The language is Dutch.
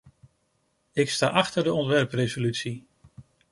Ik sta achter de ontwerpresolutie.